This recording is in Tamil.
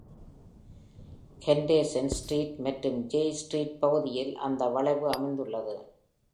Henderson Street மற்றும் Jay Streetபகுதியில் அந்த வளைவு அமைந்துள்ளது.